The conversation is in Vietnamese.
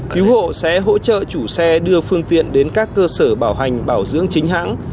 cứu hộ sẽ hỗ trợ chủ xe đưa phương tiện đến các cơ sở bảo hành bảo dưỡng chính hãng